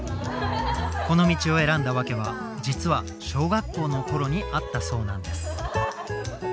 この道を選んだワケは実は小学校の頃にあったそうなんです。